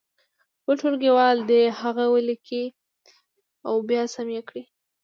خپل ټولګیوال دې هغه ولیکي او بیا سم یې کړي.